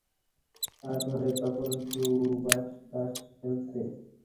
আর ঘরে তখন সুবাতাস খেলছে।